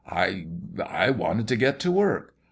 I I wanted to get to work.